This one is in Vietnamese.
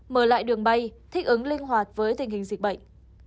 mở lại đường bay thích ứng linh hoạt với tình hình dịch bệnh